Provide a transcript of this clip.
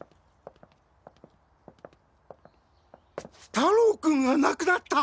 太郎君が亡くなった！？